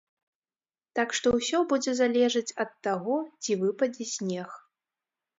Так што ўсё будзе залежаць ад таго ці выпадзе снег.